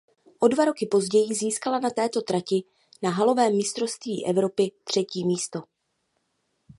O dva roky později získala na této trati na halovém mistrovství Evropy třetí místo.